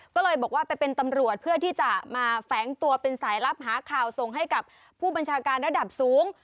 ก็เลยบอกว่าไปเป็นตำรวจเพื่อที่จะมาแฝงตัวเป็นสายลับหาข่าวส่งให้กับผู้บัญชาการระดับสูง